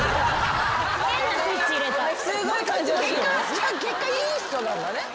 じゃあ結果いい人なんだね。